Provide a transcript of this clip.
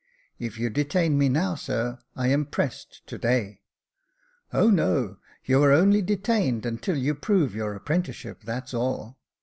"If you detain me now, sir, I am pressed to day." " O no ! you are only detained until you prove your apprenticeship, that's all."